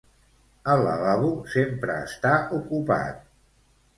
El lavabo sempre està ocupat